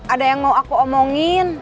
ada yang mau aku omongin